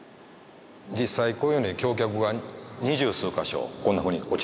実際こういうふうに橋脚が二十数か所こんなふうに落ちてしまって。